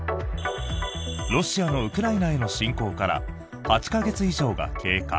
ロシアのウクライナへの侵攻から８か月以上が経過。